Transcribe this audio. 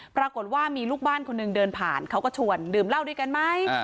ปรากฏว่ามีลูกบ้านคนหนึ่งเดินผ่านเขาก็ชวนดื่มเหล้าด้วยกันไหม